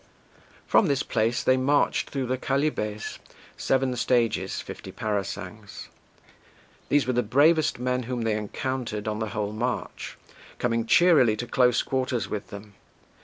From this place they marched through the Chalybes (1) seven stages, fifty parasangs. These were the bravest men whom they encountered on the whole march, coming cheerily to close quarters with them.